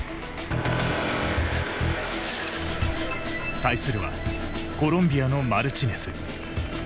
対するはコロンビアのマルチネス。